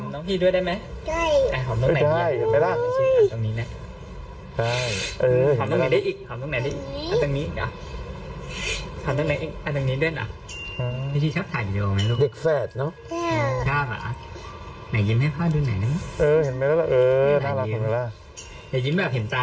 นี่เห็นไหมล่ะหอมแก้มเห็นไหมล่ะน้องพี